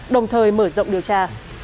đồng thời mở rộng điều tra